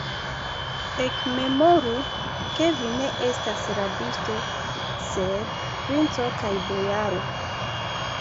Ekmemoru, ke vi ne estas rabisto, sed princo kaj bojaro!